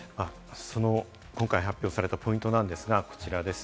今回、発表されたポイントですが、こちらです。